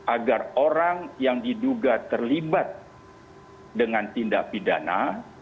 agar orang yang diduga terlibat dengan tindak pidana